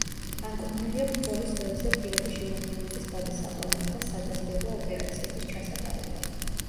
განკუთვნილია ბრძოლის ველზე პირადი შემადგენლობის გადასაყვანად და სადაზვერვო ოპერაციების ჩასატარებლად.